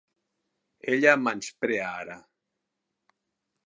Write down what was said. Ella em menysprea ara.